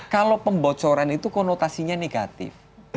kalau pembocoran itu konotasinya negatif